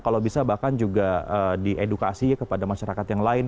kalau bisa bahkan juga diedukasi ya kepada masyarakat yang lain